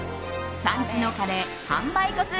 産地のカレー販売個数